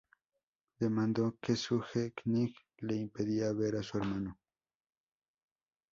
Demandó que Suge Knight le impedía ver a su hermano.